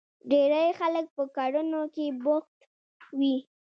ډېری خلک په کړنو کې بوخت وي.